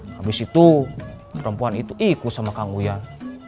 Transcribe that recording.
habis itu perempuan itu ikut sama kang uyan